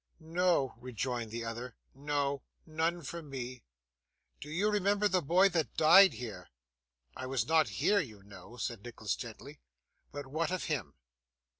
'No,' rejoined the other, 'no; none for me. Do you remember the boy that died here?' 'I was not here, you know,' said Nicholas gently; 'but what of him?